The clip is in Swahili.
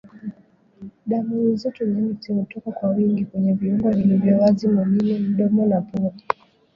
Damu nzito nyeusi hutoka kwa wingi kwenye viungo vilivyo wazi mwilini mdomo na pua